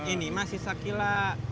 ini masih sakila